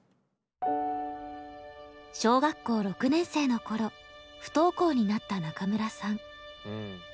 小学校６年生の頃不登校になった中村さん。